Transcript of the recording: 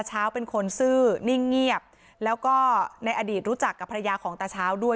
เช้าเป็นคนซื่อนิ่งเงียบแล้วก็ในอดีตรู้จักกับภรรยาของตาเช้าด้วย